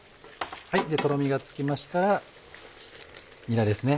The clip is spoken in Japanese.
とろみがつきましたらにらですね